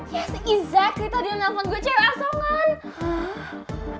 ya seizak kita ada nge phone gue cewek asongan